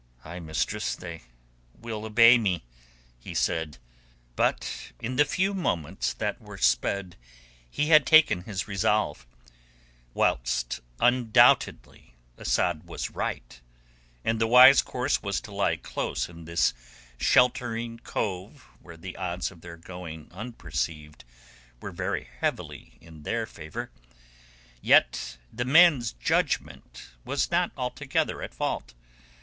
"Ay, mistress, they will obey me," he said. But in the few moments that were sped he had taken his resolve. Whilst undoubtedly Asad was right, and the wise course was to lie close in this sheltering cove where the odds of their going unperceived were very heavily in their favour, yet the men's judgment was not altogether at fault.